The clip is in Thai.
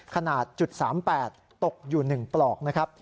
ขนาด๓๘ตกอยู่๑ปลอกนะครับ